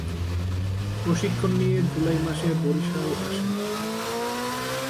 প্রশিক্ষণ নিয়ে জুলাই মাসে বরিশাল আসেন।